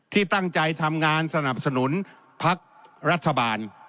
ที่ตั้งใจทำงานสนับสนุนพักรัฐบาล